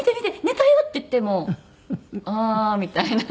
寝たよ」って言っても「ああー」みたいな。